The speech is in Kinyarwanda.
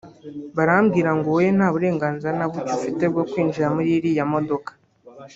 Barambwira ngo wowe nta burenganzira na bucye ufite bwo kwinjira muri iriya modoka